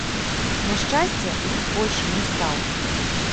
На шчасце, лік большым не стаў.